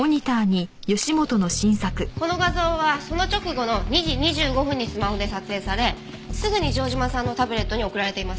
この画像はその直後の２時２５分にスマホで撮影されすぐに城島さんのタブレットに送られています。